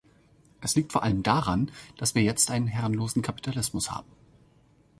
Es liegt vor allem daran, dass wir jetzt einen herrenlosen Kapitalismus haben.